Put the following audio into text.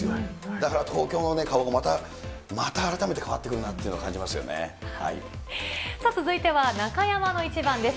だから東京の顔もまた、また改めて変わってくるなというのを感じ続いては中山のイチバンです。